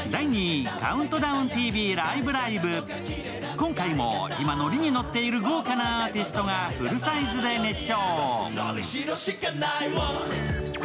今回も今ノリにノっている豪華なアーティストがフルサイズで熱唱。